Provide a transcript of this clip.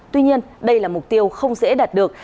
tuy nhiên đây là mục tiêu không dễ đạt được